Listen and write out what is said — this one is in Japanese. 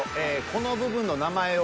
この部分の名前を。